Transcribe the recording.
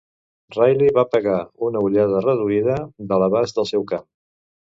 Ryle va pegar una ullada reduïda de l'abast del seu camp.